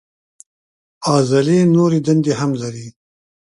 عضلې نورې دندې هم لري.